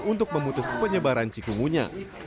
untuk memutus penyebaran cikungunya